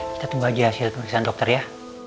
kita tunggu aja hasil pemeriksaan dokter ya